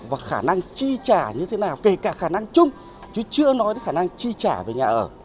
và khả năng chi trả như thế nào kể cả khả năng chung chứ chưa nói đến khả năng chi trả về nhà ở